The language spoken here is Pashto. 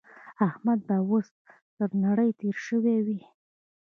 احمد به اوس تر نړۍ تېری شوی وي.